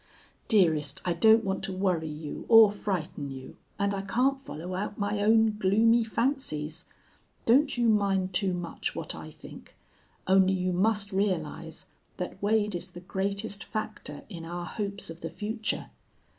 Dearest, I don't want to worry you or frighten you, and I can't follow out my own gloomy fancies. Don't you mind too much what I think. Only you must realize that Wade is the greatest factor in our hopes of the future.